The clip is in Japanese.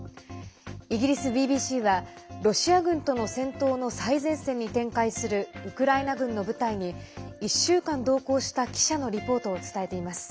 イギリスＢＢＣはロシア軍との戦闘の最前線に展開するウクライナ軍の部隊に１週間同行した記者のリポートを伝えています。